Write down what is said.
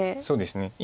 そうですね。